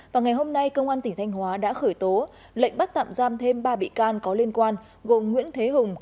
và ngày hôm nay công an tỉnh thanh hóa đã khởi tố lệnh bắt tạm giam thêm ba bị can có liên quan gồm nguyễn thế hùng